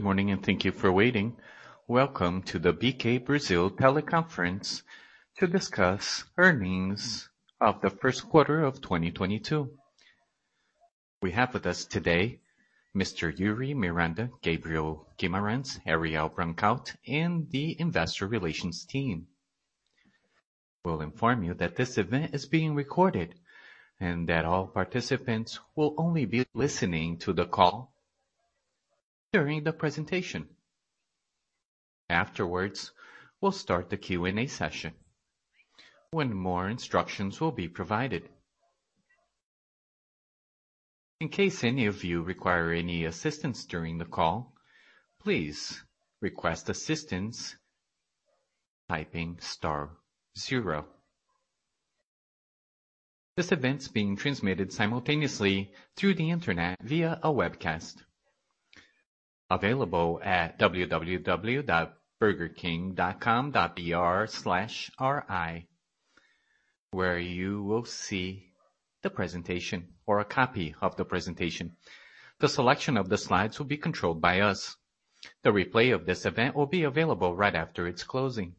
Good morning, and thank you for waiting. Welcome to the BK Brazil teleconference to discuss earnings of the Q1 of 2022. We have with us today Mr. Iuri Miranda, Gabriel Guimarães, Ariel Grunkraut, and the investor relations team. We'll inform you that this event is being recorded and that all participants will only be listening to the call during the presentation. Afterwards, we'll start the Q&A session when more instructions will be provided. In case any of you require any assistance during the call, please request assistance typing star zero. This event is being transmitted simultaneously through the Internet via a webcast available at www.burgerking.com.br/ri, where you will see the presentation or a copy of the presentation. The selection of the slides will be controlled by us. The replay of this event will be available right after its closing.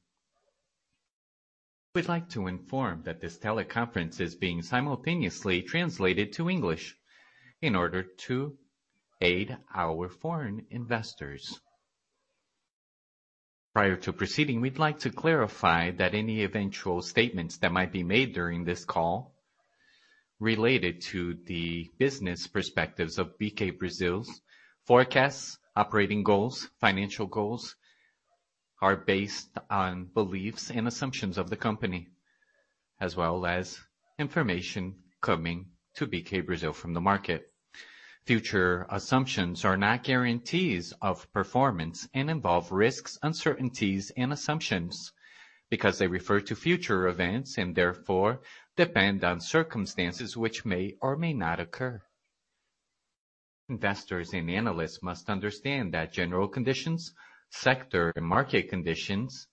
We'd like to inform that this teleconference is being simultaneously translated to English in order to aid our foreign investors. Prior to proceeding, we'd like to clarify that any eventual statements that might be made during this call related to the business perspectives of BK Brasil's forecasts, operating goals, financial goals, are based on beliefs and assumptions of the company, as well as information coming to BK Brasil from the market. Future assumptions are not guarantees of performance and involve risks, uncertainties, and assumptions because they refer to future events and therefore depend on circumstances which may or may not occur. Investors and analysts must understand that general conditions, sector and market conditions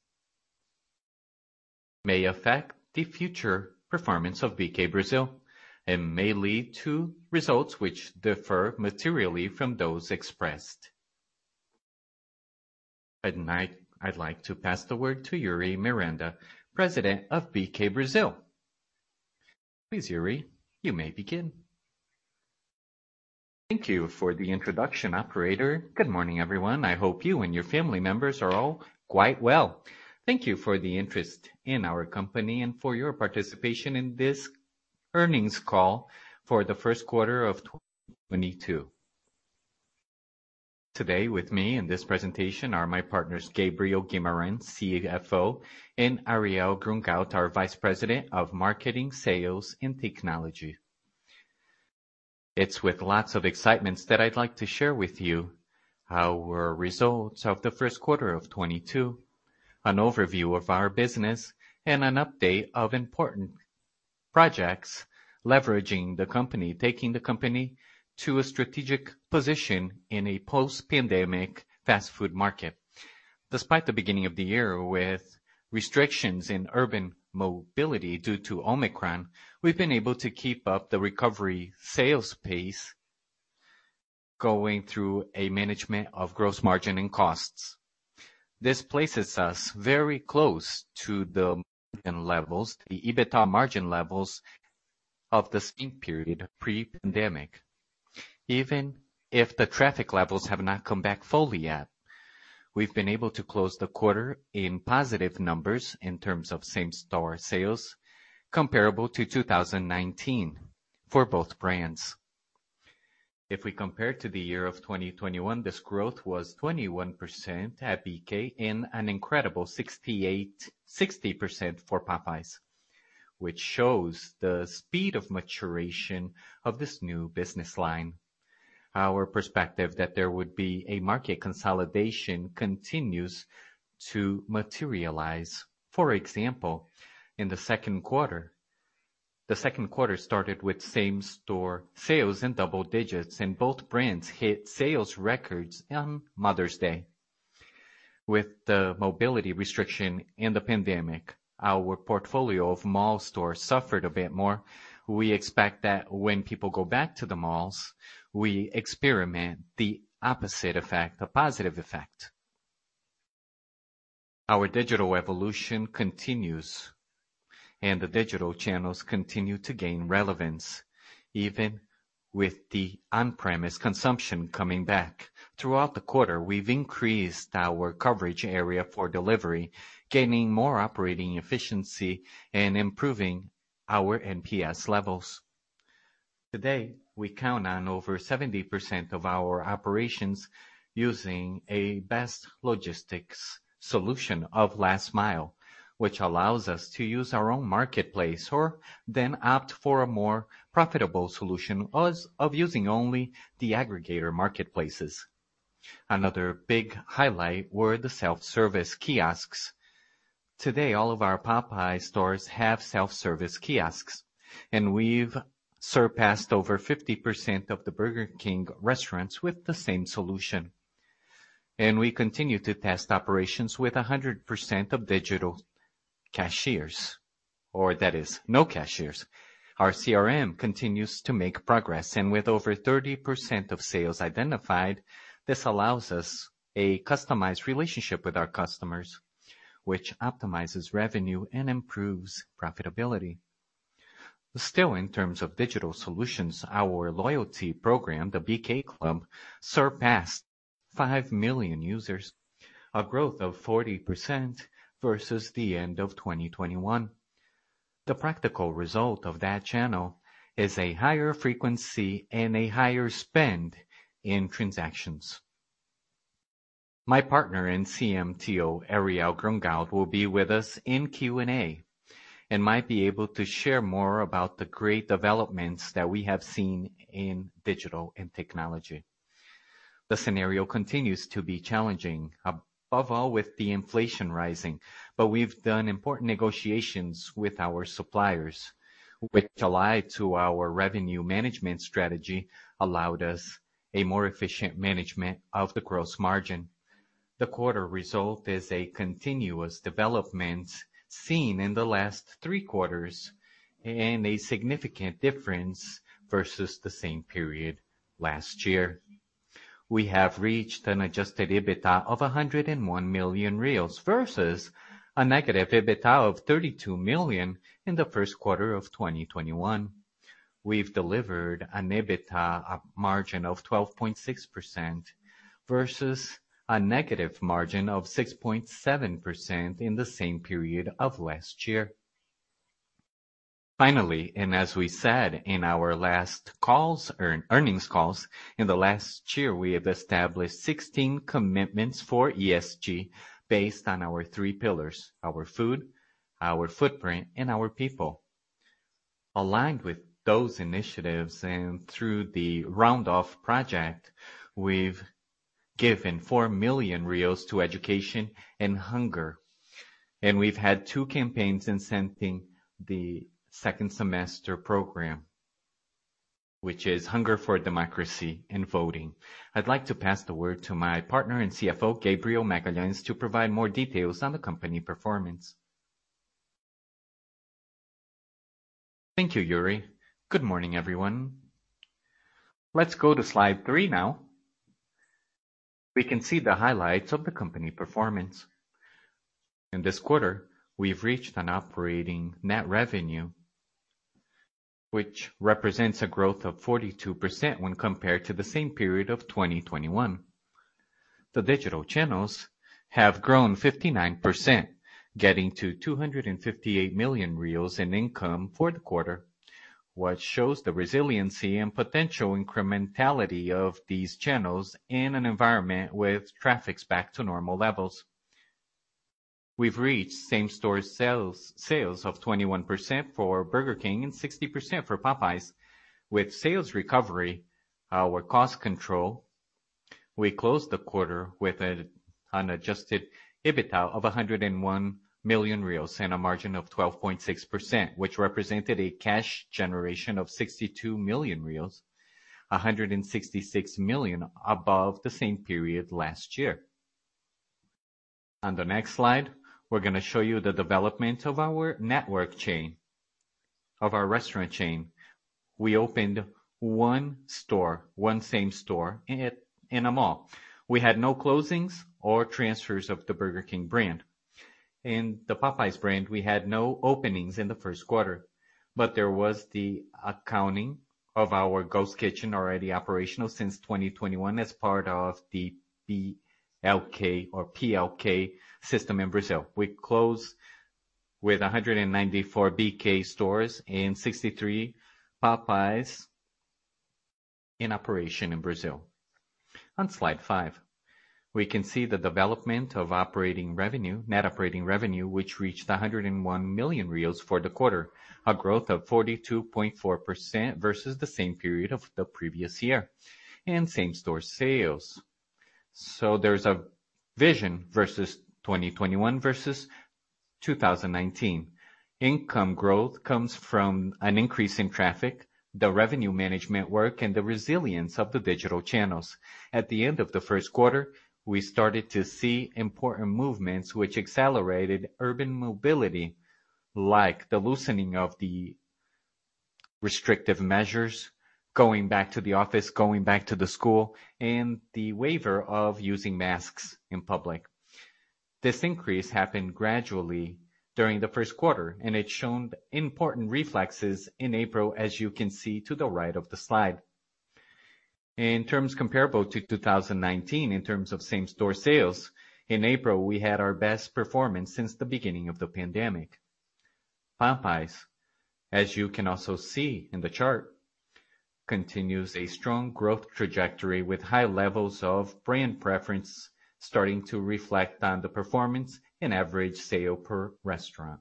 may affect the future performance of BK Brasil and may lead to results which differ materially from those expressed. I'd like to pass the word to Iuri Miranda, President of BK Brasil. Please, Iuri, you may begin. Thank you for the introduction, operator. Good morning, everyone. I hope you and your family members are all quite well. Thank you for the interest in our company and for your participation in this earnings call for the Q1 of 2022. Today with me in this presentation are my partners Gabriel Guimarães, CFO, and Ariel Grunkraut, our Vice President of Marketing, Sales, and Technology. It's with lots of excitements that I'd like to share with you our results of the Q1 of 2022, an overview of our business, and an update of important projects leveraging the company, taking the company to a strategic position in a post-pandemic fast food market. Despite the beginning of the year with restrictions in urban mobility due to Omicron, we've been able to keep up the recovery sales pace going through a management of gross margin and costs. This places us very close to the levels, the EBITDA margin levels of the same period pre-pandemic. Even if the traffic levels have not come back fully yet, we've been able to close the quarter in positive numbers in terms of same-store sales comparable to 2019 for both brands. If we compare to the year of 2021, this growth was 21% at BK and an incredible 60% for Popeyes, which shows the speed of maturation of this new business line. Our perspective that there would be a market consolidation continues to materialize. For example, in the Q2, the Q2 started with same-store sales in double digits, and both brands hit sales records on Mother's Day. With the mobility restriction in the pandemic, our portfolio of mall stores suffered a bit more. We expect that when people go back to the malls, we experiment the opposite effect, a positive effect. Our digital evolution continues, and the digital channels continue to gain relevance even with the on-premise consumption coming back. Throughout the quarter, we've increased our coverage area for delivery, gaining more operating efficiency and improving our NPS levels. Today, we count on over 70% of our operations using a best logistics solution of Last Mile, which allows us to use our own marketplace or then opt for a more profitable solution as of using only the aggregator marketplaces. Another big highlight were the self-service kiosks. Today, all of our Popeyes stores have self-service kiosks, and we've surpassed over 50% of the Burger King restaurants with the same solution. We continue to test operations with 100% digital cashiers, or that is, no cashiers. Our CRM continues to make progress, and with over 30% of sales identified, this allows us a customized relationship with our customers, which optimizes revenue and improves profitability. Still in terms of digital solutions, our loyalty program, the BK Club, surpassed 5 million users, a growth of 40% versus the end of 2021. The practical result of that channel is a higher frequency and a higher spend in transactions. My partner in CMTO, Ariel Grunkraut, will be with us in Q&A and might be able to share more about the great developments that we have seen in digital and technology. The scenario continues to be challenging, above all with the inflation rising. We've done important negotiations with our suppliers, which allied to our revenue management strategy, allowed us a more efficient management of the gross margin. The quarter result is a continuous development seen in the last three quarters and a significant difference versus the same period last year. We have reached an adjusted EBITDA of 101 million reais versus a negative EBITDA of 32 million in the Q1 of 2021. We've delivered an EBITDA, a margin of 12.6% versus a negative margin of 6.7% in the same period of last year. Finally, as we said in our last calls, earnings calls, in the last year, we have established 16 commitments for ESG based on our three pillars, our food, our footprint, and our people. Aligned with those initiatives and through the Round Off project, we've given 4 million to education and hunger, and we've had two campaigns in the second semester program, which is Hunger for Democracy and voting. I'd like to pass the word to my partner and CFO, Gabriel Magalhães, to provide more details on the company performance. Thank you, Iuri. Good morning, everyone. Let's go to slide 3 now. We can see the highlights of the company performance. In this quarter, we've reached an operating net revenue, which represents a growth of 42% when compared to the same period of 2021. The digital channels have grown 59%, getting to 258 million in income for the quarter, which shows the resiliency and potential incrementality of these channels in an environment with traffic back to normal levels. We've reached same-store sales of 21% for Burger King and 60% for Popeyes. With sales recovery, our cost control, we closed the quarter with an unadjusted EBITDA of 101 million reais and a margin of 12.6%, which represented a cash generation of 62 million reais, 166 million above the same period last year. On the next slide, we're gonna show you the development of our network chain, of our restaurant chain. We opened one store, one same-store in a mall. We had no closings or transfers of the Burger King brand. In the Popeyes brand, we had no openings in the Q1, but there was the accounting of our ghost kitchen already operational since 2021 as part of the BK or PLK system in Brazil. We close with 194 BK stores and 63 Popeyes in operation in Brazil. On slide 5, we can see the development of operating revenue, net operating revenue, which reached 101 million reais for the quarter, a growth of 42.4% versus the same period of the previous year and same-store sales. There's a version versus 2021 versus 2019. Income growth comes from an increase in traffic, the revenue management work, and the resilience of the digital channels. At the end of the Q1, we started to see important movements which accelerated urban mobility, like the loosening of the restrictive measures, going back to the office, going back to the school, and the waiver of using masks in public. This increase happened gradually during the Q1, and it showed important effects in April, as you can see to the right of the slide. In terms comparable to 2019, in terms of same-store sales, in April, we had our best performance since the beginning of the pandemic. Popeyes, as you can also see in the chart, continues a strong growth trajectory with high levels of brand preference starting to reflect on the performance and average sale per restaurant.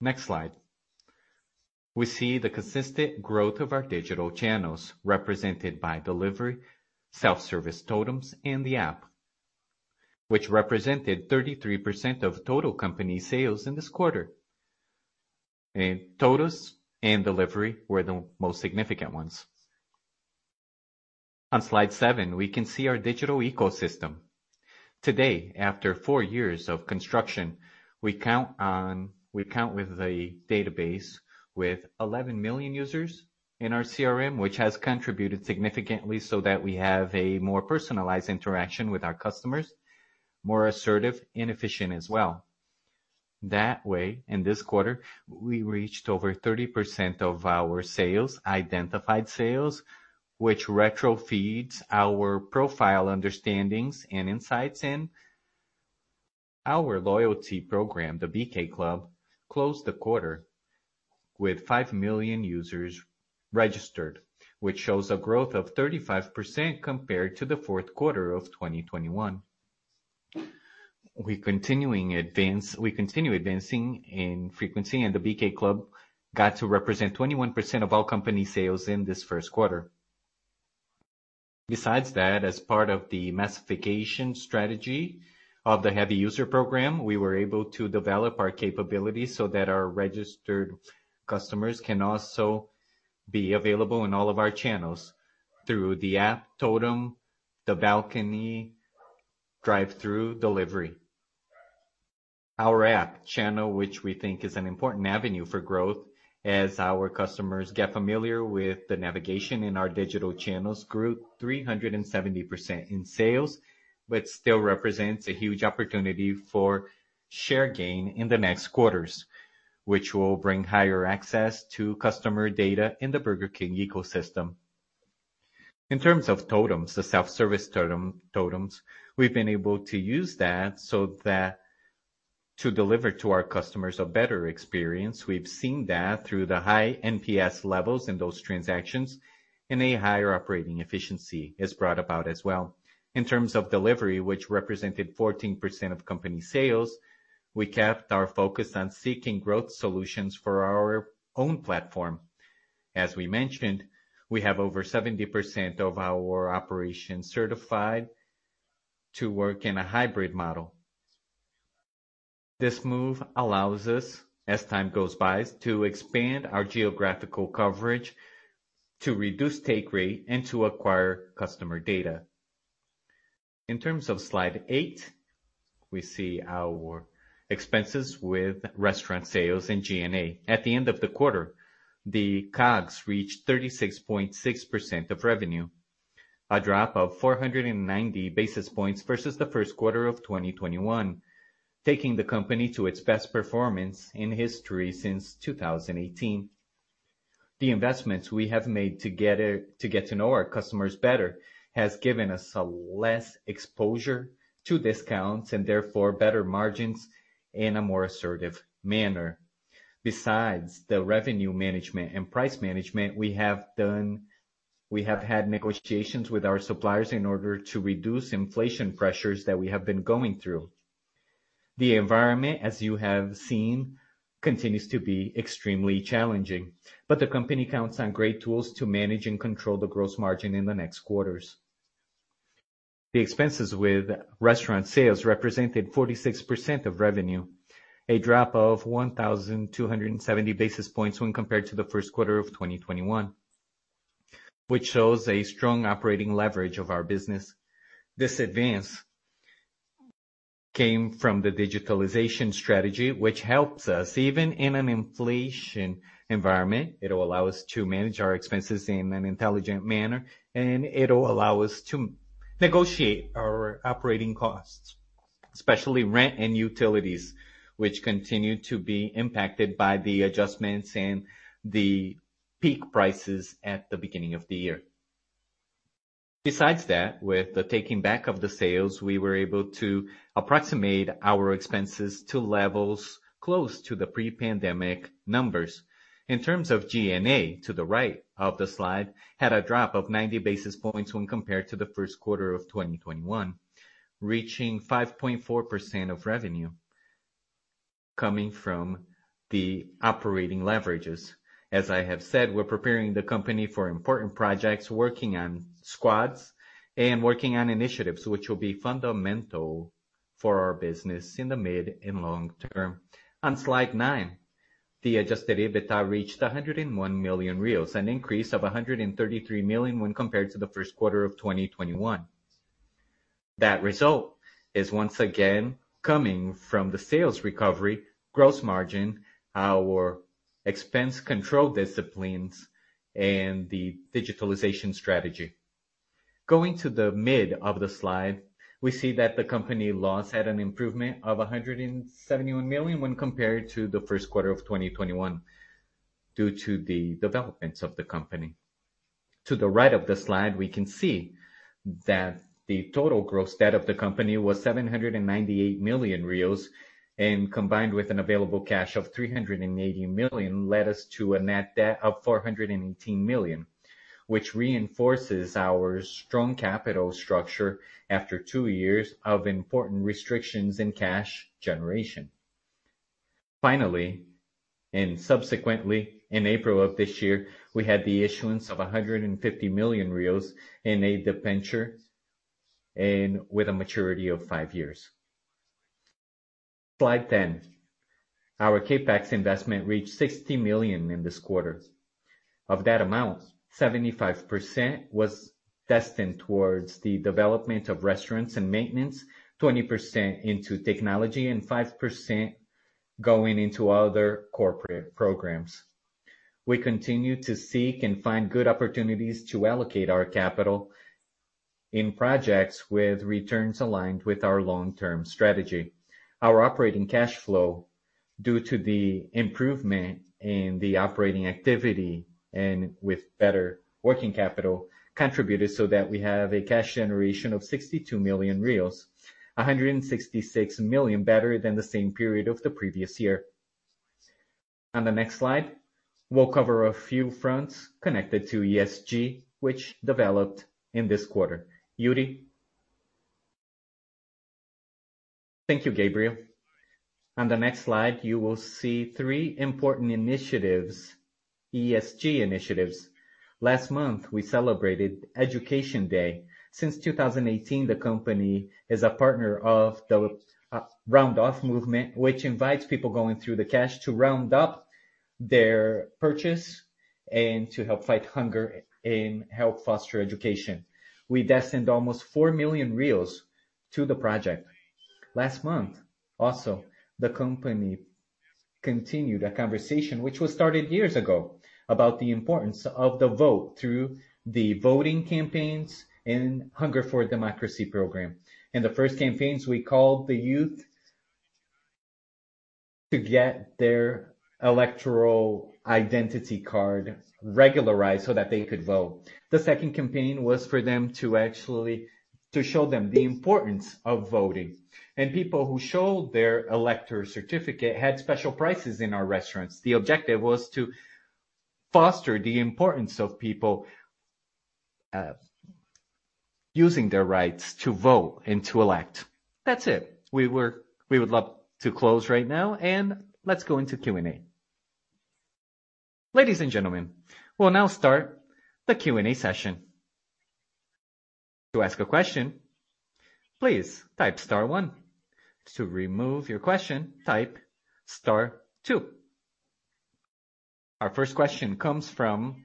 Next slide. We see the consistent growth of our digital channels represented by delivery, self-service totems, and the app, which represented 33% of total company sales in this quarter. Totems and delivery were the most significant ones. On slide seven, we can see our digital ecosystem. Today, after four years of construction, we count with a database with 11 million users in our CRM, which has contributed significantly so that we have a more personalized interaction with our customers, more assertive and efficient as well. That way, in this quarter, we reached over 30% of our sales, identified sales, which retrofeeds our profile understandings and insights in. Our loyalty program, the BK Club, closed the quarter with 5 million users registered, which shows a growth of 35% compared to the Q4 of 2021. We continue advancing in frequency, and the BK Club got to represent 21% of all company sales in this Q1. Besides that, as part of the massification strategy of the heavy user program, we were able to develop our capabilities so that our registered customers can also be available in all of our channels through the app, totem, the balcony, drive-through, delivery. Our app channel, which we think is an important avenue for growth as our customers get familiar with the navigation in our digital channels, grew 370% in sales, but still represents a huge opportunity for share gain in the next quarters, which will bring higher access to customer data in the Burger King ecosystem. In terms of totems, the self-service totems, we've been able to use that so that to deliver to our customers a better experience. We've seen that through the high NPS levels in those transactions and a higher operating efficiency is brought about as well. In terms of delivery, which represented 14% of company sales, we kept our focus on seeking growth solutions for our own platform. As we mentioned, we have over 70% of our operations certified to work in a hybrid model. This move allows us, as time goes by, to expand our geographical coverage, to reduce take rate, and to acquire customer data. In terms of slide 8, we see our expenses with restaurant sales and G&A. At the end of the quarter, the COGS reached 36.6% of revenue, a drop of 490 basis points versus the Q1 of 2021, taking the company to its best performance in history since 2018. The investments we have made to get to know our customers better has given us a less exposure to discounts and therefore better margins in a more assertive manner. Besides the revenue management and price management, we have had negotiations with our suppliers in order to reduce inflation pressures that we have been going through. The environment, as you have seen, continues to be extremely challenging, but the company counts on great tools to manage and control the gross margin in the next quarters. The expenses with restaurant sales represented 46% of revenue, a drop of 1,270 basis points when compared to the Q1 of 2021, which shows a strong operating leverage of our business. This advance came from the digitalization strategy, which helps us even in an inflation environment. It'll allow us to manage our expenses in an intelligent manner, and it'll allow us to negotiate our operating costs, especially rent and utilities, which continue to be impacted by the adjustments and the peak prices at the beginning of the year. Besides that, with the taking back of the sales, we were able to approximate our expenses to levels close to the pre-pandemic numbers. In terms of G&A, to the right of the slide, had a drop of 90 basis points when compared to the Q1 of 2021, reaching 5.4% of revenue coming from the operating leverages. As I have said, we're preparing the company for important projects, working on squads and working on initiatives which will be fundamental for our business in the mid and long term. On slide nine, the adjusted EBITDA reached 101 million reais, an increase of 133 million when compared to the Q1 of 2021. That result is once again coming from the sales recovery, gross margin, our expense control disciplines, and the digitalization strategy. Going to the middle of the slide, we see that the company loss had an improvement of 171 million when compared to the Q1 of 2021 due to the developments of the company. To the right of the slide, we can see that the total gross debt of the company was 798 million, and combined with an available cash of 380 million, led us to a net debt of 418 million, which reinforces our strong capital structure after two years of important restrictions in cash generation. Finally, and subsequently, in April of this year, we had the issuance of 150 million in a debenture and with a maturity of five years. Slide 10. Our CapEx investment reached 60 million in this quarter. Of that amount, 75% was destined towards the development of restaurants and maintenance, 20% into technology, and 5% going into other corporate programs. We continue to seek and find good opportunities to allocate our capital in projects with returns aligned with our long-term strategy. Our operating cash flow, due to the improvement in the operating activity and with better working capital, contributed so that we have a cash generation of 62 million, 166 million better than the same period of the previous year. On the next slide, we'll cover a few fronts connected to ESG, which developed in this quarter. Iuri. Thank you, Gabriel. On the next slide, you will see three important initiatives, ESG initiatives. Last month, we celebrated Education Day. Since 2018, the company is a partner of the Round Off movement, which invites people going through the cash to round up their purchase and to help fight hunger and help foster education. We destined almost 4 million to the project. Last month, also, the company continued a conversation which was started years ago about the importance of the vote through the voting campaigns and Hunger for Democracy program. In the first campaigns, we called the youth to get their electoral identity card regularized so that they could vote. The second campaign was for them to show them the importance of voting. People who showed their elector certificate had special prices in our restaurants. The objective was to foster the importance of people using their rights to vote and to elect. That's it. We would love to close right now and let's go into Q&A. Ladies and gentlemen, we'll now start the Q&A session. To ask a question, please type star one. To remove your question, type star two. Our first question comes from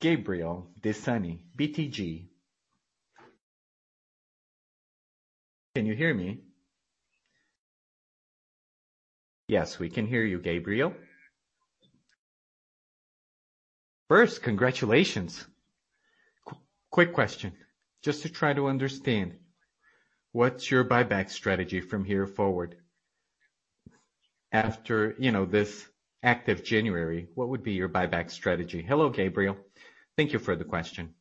Gabriel Da Silva, BTG. Can you hear me? Yes, we can hear you, Gabriel. First, congratulations. Quick question, just to try to understand, what's your buyback strategy from here forward? After, you know, this active January, what would be your buyback strategy? Hello, Gabriel. Thank you for the question.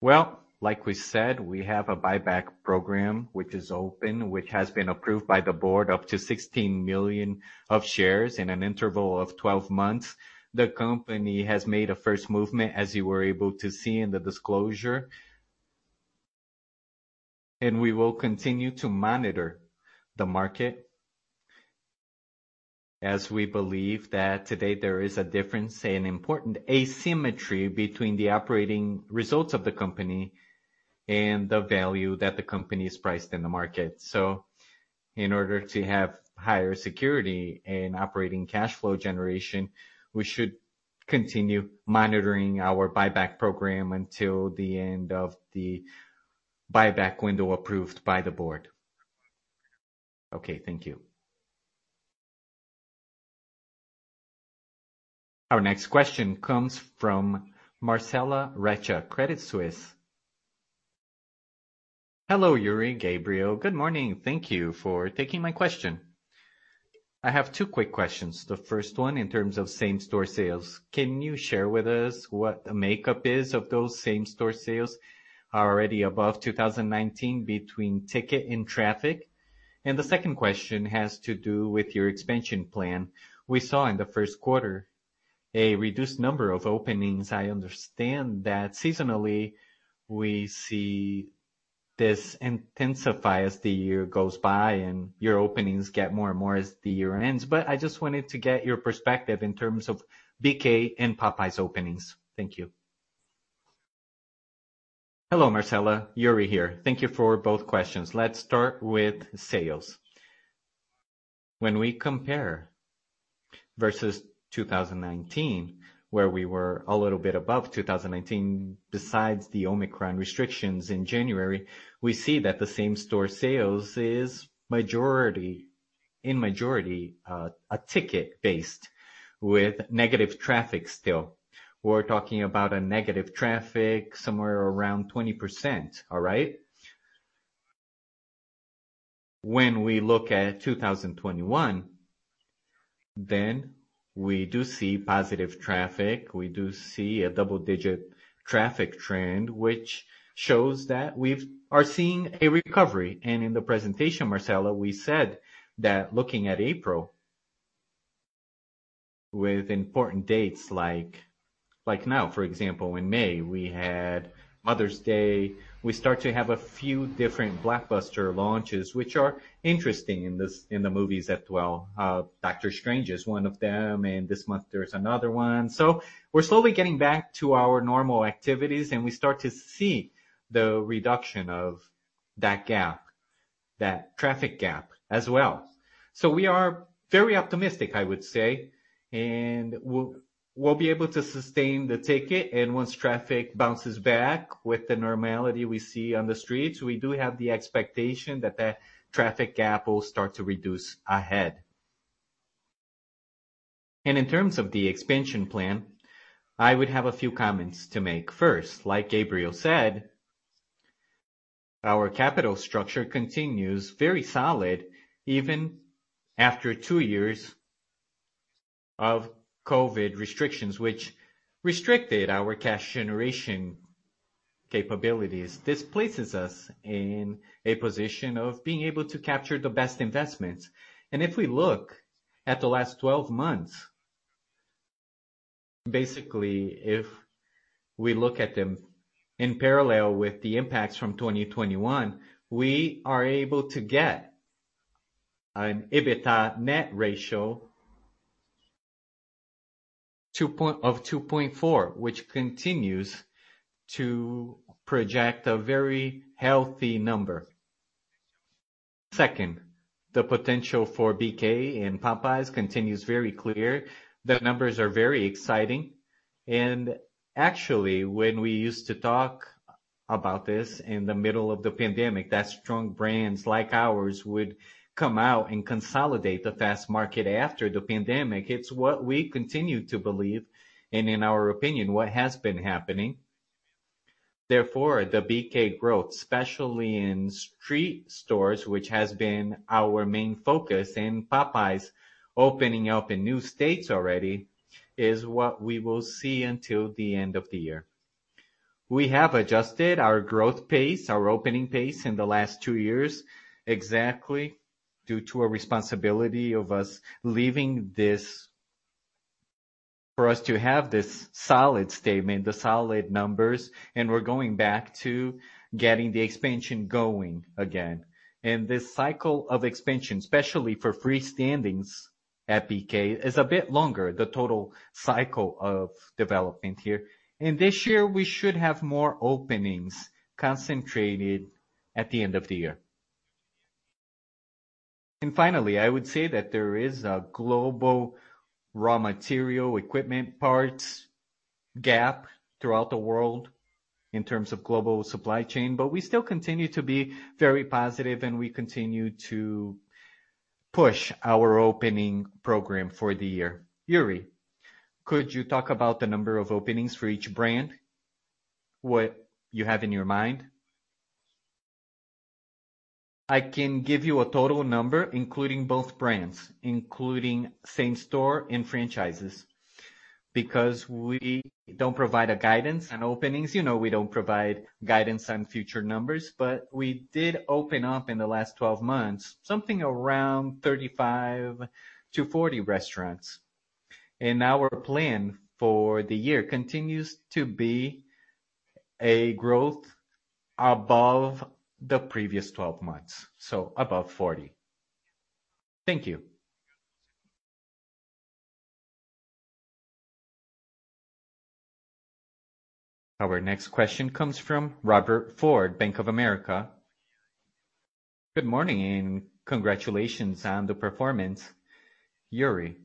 Well, like we said, we have a buyback program which is open, which has been approved by the board up to 16 million shares in an interval of 12 months. The company has made a first movement, as you were able to see in the disclosure. We will continue to monitor the market as we believe that today there is a difference and important asymmetry between the operating results of the company and the value that the company is priced in the market. In order to have higher security and operating cash flow generation, we should continue monitoring our buyback program until the end of the buyback window approved by the board. Okay, thank you. Our next question comes from Marcella Recchia, Credit Suisse. Hello, Iuri, Gabriel. Good morning. Thank you for taking my question. I have two quick questions. The first one in terms of same-store sales. Can you share with us what the makeup is of those same-store sales are already above 2019 between ticket and traffic? The second question has to do with your expansion plan. We saw in the Q1 a reduced number of openings. I understand that seasonally we see this intensify as the year goes by and your openings get more and more as the year ends. I just wanted to get your perspective in terms of BK and Popeyes openings. Thank you. Hello, Marcella. Iuri here. Thank you for both questions. Let's start with sales. When we compare versus 2019, where we were a little bit above 2019, besides the Omicron restrictions in January, we see that the same-store sales is in majority a ticket-based with negative traffic still. We're talking about a negative traffic somewhere around 20%. All right. When we look at 2021, we do see positive traffic, we do see a double-digit traffic trend, which shows that we are seeing a recovery. In the presentation, Marcella, we said that looking at April with important dates like now for example, in May, we had Mother's Day, we start to have a few different blockbuster launches, which are interesting in this, in the movies as well. Doctor Strange is one of them, and this month there's another one. We're slowly getting back to our normal activities, and we start to see the reduction of that gap, that traffic gap as well. We are very optimistic, I would say, and we'll be able to sustain the ticket. Once traffic bounces back with the normality we see on the streets, we do have the expectation that that traffic gap will start to reduce ahead. In terms of the expansion plan, I would have a few comments to make. First, like Gabriel said, our capital structure continues very solid even after two years of COVID restrictions, which restricted our cash generation capabilities. This places us in a position of being able to capture the best investments. If we look at the last 12 months, basically, if we look at them in parallel with the impacts from 2021, we are able to get an EBITDA net ratio of 2.4, which continues to project a very healthy number. Second, the potential for BK and Popeyes continues very clear. The numbers are very exciting. Actually, when we used to talk about this in the middle of the pandemic, that strong brands like ours would come out and consolidate the fast-food market after the pandemic. It's what we continue to believe, and in our opinion, what has been happening. Therefore, the BK growth, especially in street stores, which has been our main focus, and Popeyes opening up in new states already, is what we will see until the end of the year. We have adjusted our growth pace, our opening pace in the last two years, exactly due to a responsibility for us to have this solid statement, the solid numbers, and we're going back to getting the expansion going again. This cycle of expansion, especially for freestanding at BK, is a bit longer, the total cycle of development here. This year we should have more openings concentrated at the end of the year. Finally, I would say that there is a global raw material equipment parts gap throughout the world in terms of global supply chain, but we still continue to be very positive, and we continue to push our opening program for the year. Iuri, could you talk about the number of openings for each brand, what you have in your mind? I can give you a total number, including both brands, including same-store and franchises, because we don't provide a guidance on openings. You know, we don't provide guidance on future numbers. We did open up in the last twelve months, something around 35-40 restaurants. Our plan for the year continues to be a growth above the previous 12 months, so above 40. Thank you. Our next question comes from Robert Ford, Banc of America. Good morning and congratulations on the performance. Iuri,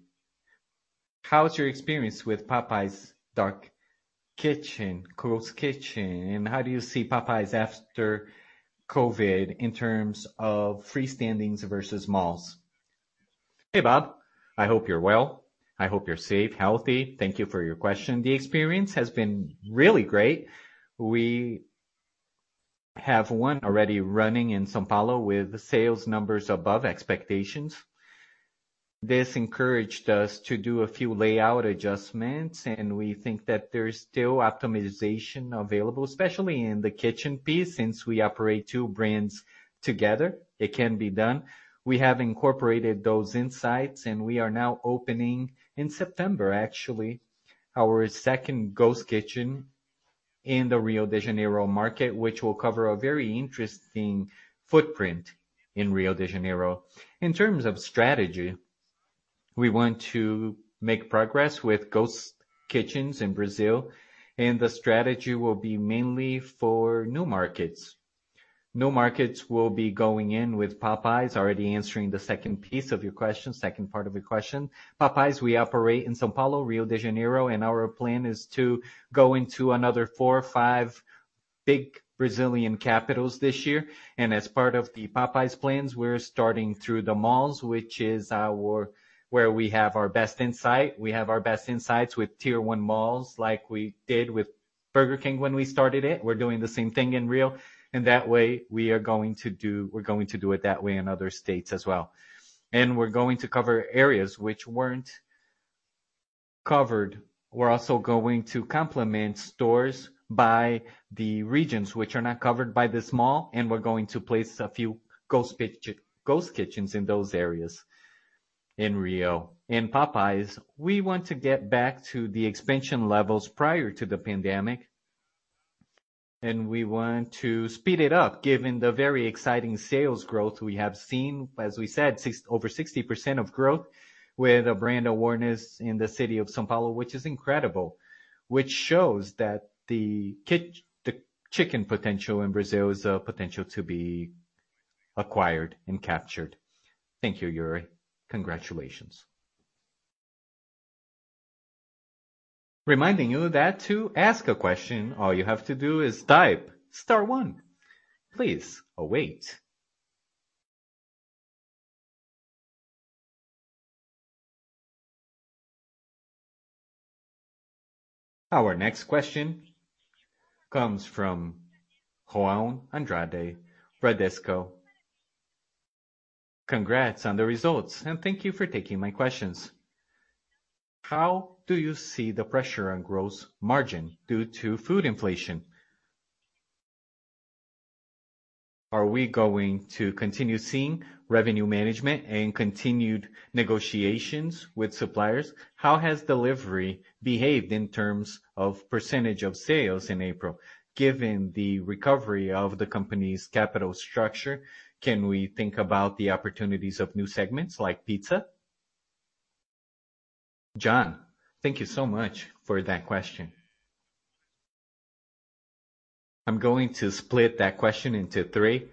how is your experience with Popeyes Dark Kitchen, Ghost Kitchen, and how do you see Popeyes after COVID in terms of free-standing versus malls? Hey, Rob. I hope you're well. I hope you're safe, healthy. Thank you for your question. The experience has been really great. We have one already running in São Paulo with sales numbers above expectations. This encouraged us to do a few layout adjustments, and we think that there is still optimization available, especially in the kitchen piece, since we operate two brands together. It can be done. We have incorporated those insights, and we are now opening in September, actually, our second Ghost Kitchen in the Rio de Janeiro market, which will cover a very interesting footprint in Rio de Janeiro. In terms of strategy, we want to make progress with Ghost Kitchens in Brazil, and the strategy will be mainly for new markets. New markets will be going in with Popeyes. Already answering the second piece of your question, second part of your question. Popeyes, we operate in São Paulo, Rio de Janeiro, and our plan is to go into another four or five big Brazilian capitals this year. As part of the Popeyes plans, we're starting through the malls, which is where we have our best insight. We have our best insights with tier one malls, like we did with Burger King when we started it. We're doing the same thing in Rio, and that way we're going to do it that way in other states as well. We're going to cover areas which weren't covered. We're also going to complement stores by the regions which are not covered by this mall, and we're going to place a few Ghost Kitchens in those areas in Rio. In Popeyes, we want to get back to the expansion levels prior to the pandemic, and we want to speed it up given the very exciting sales growth we have seen, as we said, over 60% growth with a brand awareness in the city of São Paulo, which is incredible. Which shows that the chicken potential in Brazil is a potential to be acquired and captured. Thank you, Iuri. Congratulations. Reminding you that to ask a question, all you have to do is type star one. Please await. Our next question comes from João Andrade, Bradesco. Congrats on the results and thank you for taking my questions. How do you see the pressure on gross margin due to food inflation? Are we going to continue seeing revenue management and continued negotiations with suppliers? How has delivery behaved in terms of percentage of sales in April? Given the recovery of the company's capital structure, can we think about the opportunities of new segments like pizza? João, thank you so much for that question. I'm going to split that question into three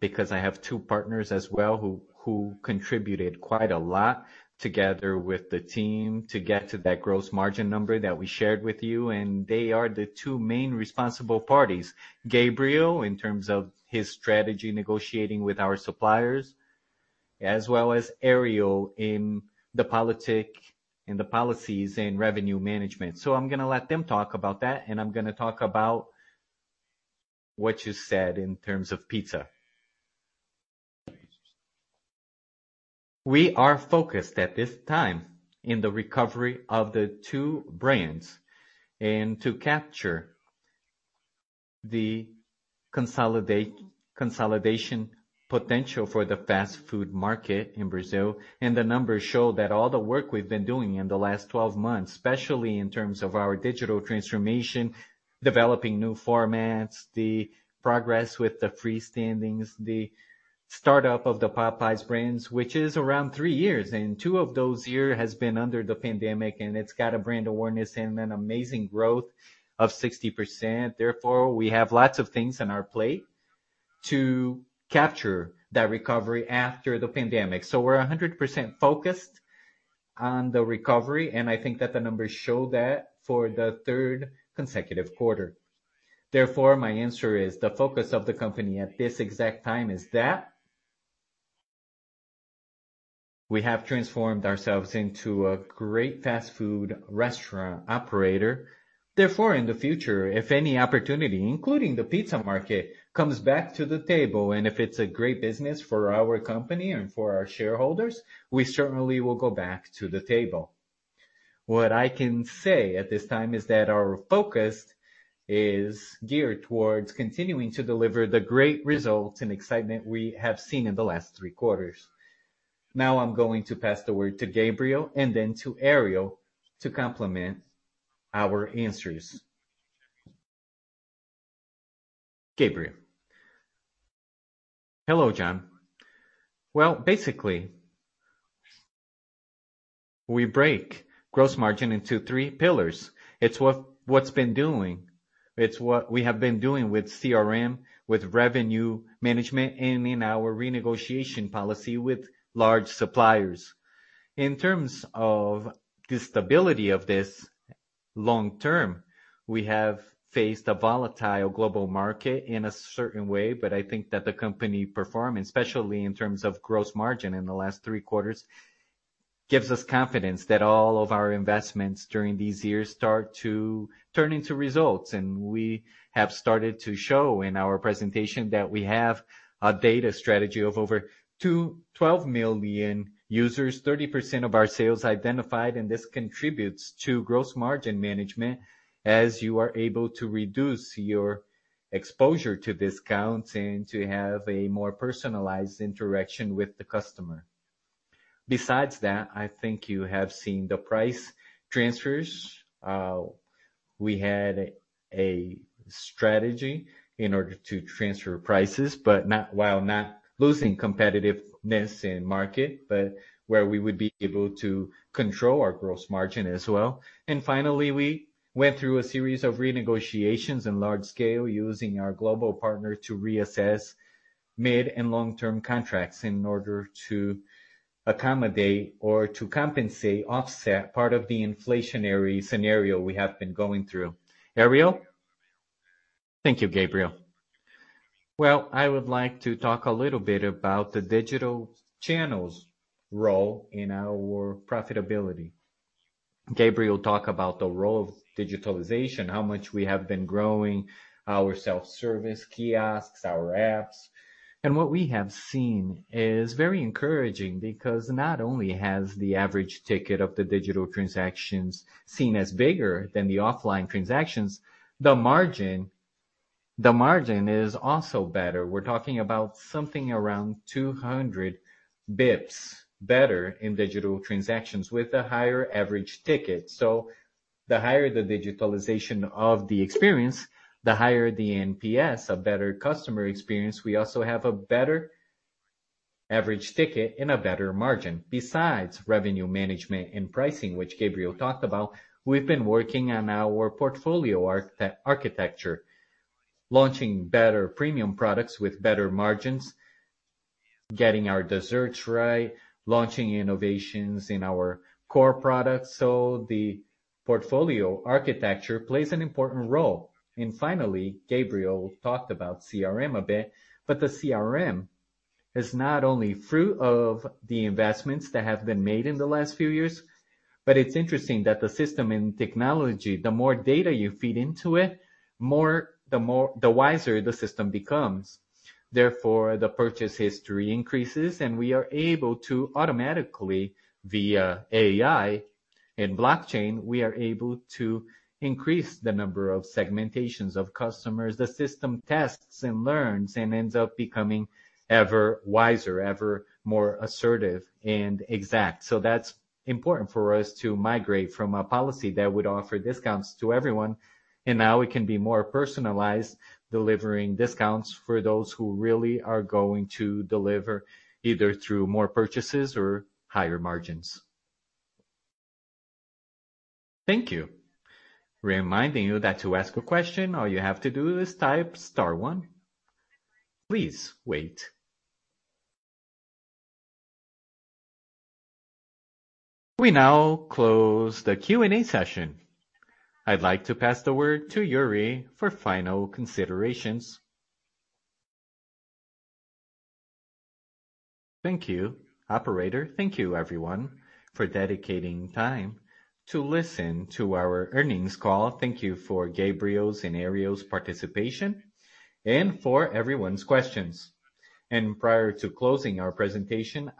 because I have two partners as well who contributed quite a lot together with the team to get to that gross margin number that we shared with you, and they are the two main responsible parties. Gabriel, in terms of his strategy negotiating with our suppliers, as well as Ariel in the policies and revenue management. I'm gonna let them talk about that, and I'm gonna talk about what you said in terms of pizza. We are focused at this time in the recovery of the two brands and to capture the consolidation potential for the fast food market in Brazil. The numbers show that all the work we've been doing in the last 12 months, especially in terms of our digital transformation, developing new formats, the progress with the freestanding, the startup of the Popeyes brands, which is around 3 years, and two of those year has been under the pandemic, and it's got a brand awareness and an amazing growth of 60%. Therefore, we have lots of things on our plate to capture that recovery after the pandemic. We're 100% focused on the recovery, and I think that the numbers show that for the third consecutive quarter. Therefore, my answer is the focus of the company at this exact time is that we have transformed ourselves into a great fast food restaurant operator. Therefore, in the future, if any opportunity, including the pizza market, comes back to the table, and if it's a great business for our company and for our shareholders, we certainly will go back to the table. What I can say at this time is that our focus is geared towards continuing to deliver the great results and excitement we have seen in the last three quarters. Now I'm going to pass the word to Gabriel and then to Ariel to complement our answers. Gabriel. Hello, João. Well, basically, we break gross margin into three pillars. It's what's been doing. It's what we have been doing with CRM, with revenue management, and in our renegotiation policy with large suppliers. In terms of the stability of this long term, we have faced a volatile global market in a certain way, but I think that the company perform, especially in terms of gross margin in the last three quarters, gives us confidence that all of our investments during these years start to turn into results. We have started to show in our presentation that we have a data strategy of over 12 million users, 30% of our sales identified, and this contributes to gross margin management as you are able to reduce your exposure to discounts and to have a more personalized interaction with the customer. Besides that, I think you have seen the price transfers. We had a strategy in order to transfer prices, while not losing competitiveness in market, but where we would be able to control our gross margin as well. Finally, we went through a series of renegotiations in large scale using our global partner to reassess mid and long-term contracts in order to accommodate or to compensate, offset part of the inflationary scenario we have been going through. Ariel. Thank you, Gabriel. Well, I would like to talk a little bit about the digital channels role in our profitability. Gabriel talked about the role of digitalization, how much we have been growing our self-service kiosks, our apps. What we have seen is very encouraging because not only has the average ticket of the digital transactions seen as bigger than the offline transactions, the margin is also better. We're talking about something around 200 basis points better in digital transactions with a higher average ticket. The higher the digitalization of the experience, the higher the NPS, a better customer experience. We also have a better average ticket and a better margin. Besides revenue management and pricing, which Gabriel talked about, we've been working on our portfolio architecture, launching better premium products with better margins. Getting our desserts right, launching innovations in our core products. The portfolio architecture plays an important role. Finally, Gabriel talked about CRM a bit, but the CRM is not only fruit of the investments that have been made in the last few years, but it's interesting that the system in technology, the more data you feed into it, the wiser the system becomes. Therefore, the purchase history increases, and we are able to automatically, via AI and blockchain, we are able to increase the number of segmentations of customers. The system tests and learns and ends up becoming ever wiser, ever more assertive, and exact. That's important for us to migrate from a policy that would offer discounts to everyone. Now we can be more personalized, delivering discounts for those who really are going to deliver, either through more purchases or higher margins. Thank you. Reminding you that to ask a question, all you have to do is type star one. Please wait. We now close the Q&A session. I'd like to pass the word to Iuri for final considerations. Thank you, operator. Thank you everyone for dedicating time to listen to our earnings call. Thank you for Gabriel's and Ariel's participation and for everyone's questions. Prior to closing our presentation,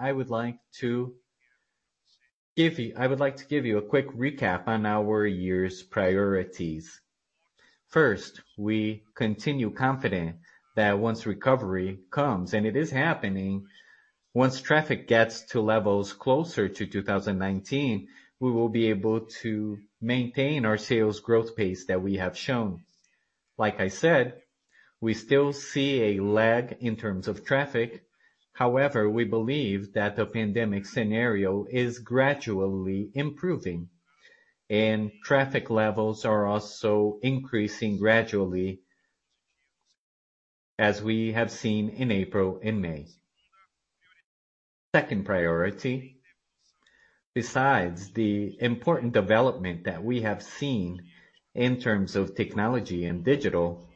I would like to give you a quick recap on our year's priorities. First, we continue confident that once recovery comes, and it is happening, once traffic gets to levels closer to 2019, we will be able to maintain our sales growth pace that we have shown. Like I said, we still see a lag in terms of traffic. However, we believe that the pandemic scenario is gradually improving and traffic levels are also increasing gradually, as we have seen in April and May. Second priority. Besides the important development that we have seen in terms of technology and digital,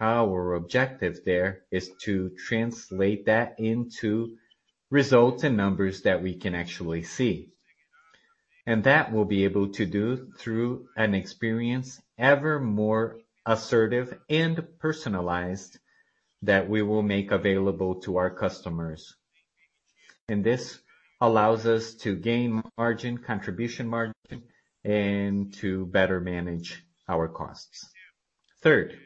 our objective there is to translate that into results and numbers that we can actually see. that we'll be able to do through an experience ever more assertive and personalized that we will make available to our customers. This allows us to gain margin, contribution margin, and to better manage our costs. Third,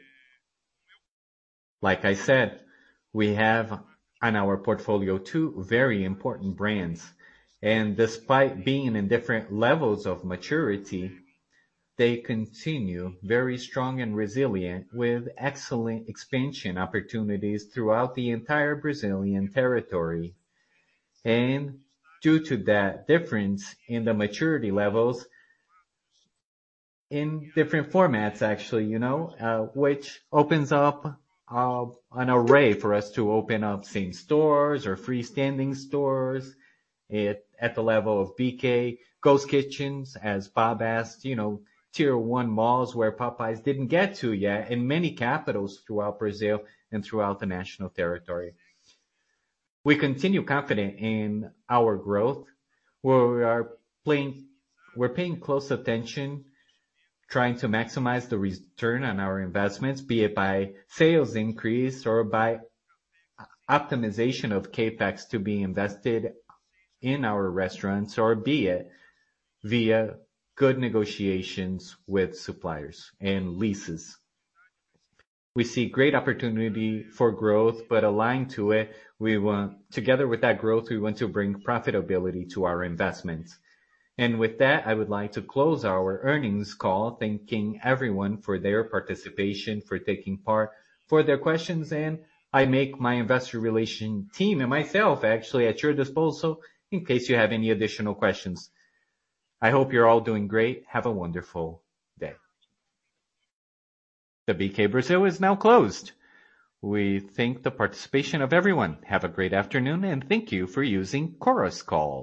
like I said, we have on our portfolio two very important brands, and despite being in different levels of maturity, they continue very strong and resilient with excellent expansion opportunities throughout the entire Brazilian territory. Due to that difference in the maturity levels in different formats, actually, you know, which opens up an array for us to open up same stores or freestanding stores at the level of BK. Ghost kitchens, as Bob asked, you know, tier one malls where Popeyes didn't get to yet in many capitals throughout Brazil and throughout the national territory. We continue confident in our growth, we're paying close attention, trying to maximize the return on our investments, be it by sales increase or by optimization of CapEx to be invested in our restaurants or be it via good negotiations with suppliers and leases. We see great opportunity for growth, but aligned to it, together with that growth, we want to bring profitability to our investments. With that, I would like to close our earnings call, thanking everyone for their participation, for taking part, for their questions, and I make my investor relations team and myself actually at your disposal in case you have any additional questions. I hope you're all doing great. Have a wonderful day. The BK Brasil is now closed. We thank everyone for their participation. Have a great afternoon, and thank you for using Chorus Call.